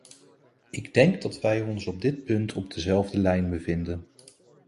Ik denk dat wij ons op dit punt op dezelfde lijn bevinden.